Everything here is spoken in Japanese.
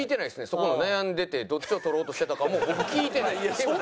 そこの悩んでてどっちを取ろうとしてたかも僕聞いてないです。